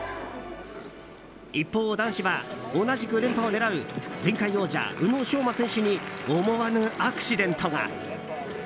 一方、男子は同じく連覇を狙う前回王者・宇野昌磨選手に思わぬアクシデントが。